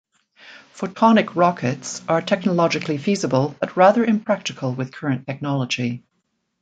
Photonic rockets are technologically feasible, but rather impractical with current technology.